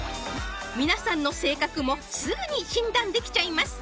皆さんの性格もすぐに診断できちゃいます